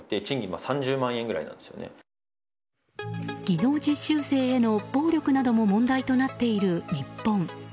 技能実習生への暴力なども問題となっている日本。